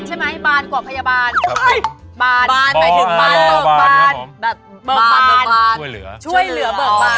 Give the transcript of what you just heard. ช่วยเหลือ